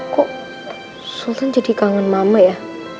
kok sultan jadi kangen mama ya